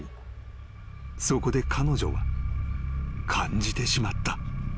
［そこで彼女は感じてしまった］